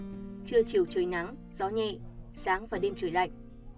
trưa chiều trời nắng gió nhẹ sáng và đêm trời lạnh